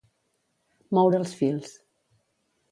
Moure els fils.